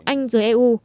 anh giới eu